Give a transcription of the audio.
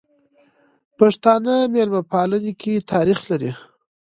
پښتانه ميلمه پالنې کی تاریخ لري.